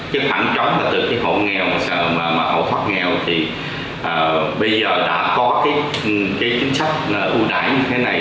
chứ thẳng chóng là từ khi họ nghèo mà họ thoát nghèo thì bây giờ đã có chính sách ưu đáy như thế này